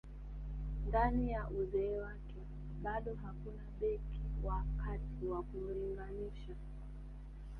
Ndani ya uzee wake bado hakuna beki wa kati wa kumlinganisha